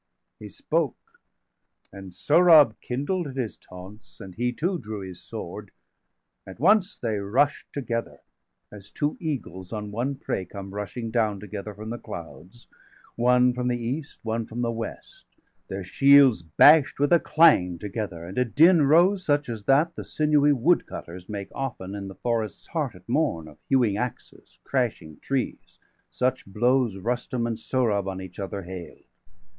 °" °468 He spoke, and Sohrab kindled° at his taunts, °470 And he too drew his sword; at once they rush'd Together, as two eagles on one prey Come rushing down together from the clouds, One from the east, one from the west; their shields Bash'd with a clang together, and a din 475 Rose, such as that the sinewy woodcutters Make often in the forest's heart at morn, Of hewing axes, crashing trees such blows Rustum and Sohrab on each other hail'd.